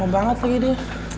mau banget lagi dia